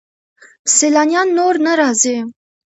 سیلانیان نور نه راځي.